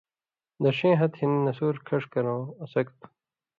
دَڇھیں ہَتہۡ ہِن نسُور کھَݜ کَرٶں اڅھَکوۡ تھو۔